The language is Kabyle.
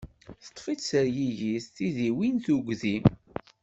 Teṭṭef-itt tergigit, tidiwin, tugdi.